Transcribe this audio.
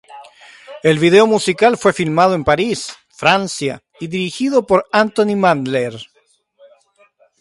El video musical fue filmado en París, Francia y dirigido por Anthony Mandler.